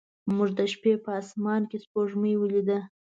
موږ د شپې په اسمان کې سپوږمۍ ولیده.